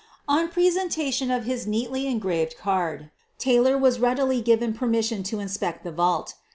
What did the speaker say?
On presentation of his neatly engraved card, Tay lor was readily given permission to inspect the vault.